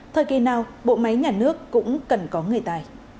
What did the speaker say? thời kỳ nào bộ máy nhà nước cũng cần có người tài